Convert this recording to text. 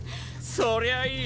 そりゃいい！